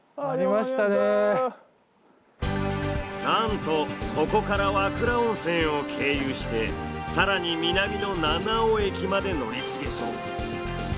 なんとここから和倉温泉を経由して更に南の七尾駅まで乗り継げそう。